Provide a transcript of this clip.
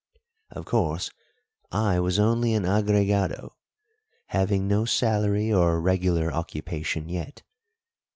Of course, I was only an agregado, having no salary or regular occupation yet.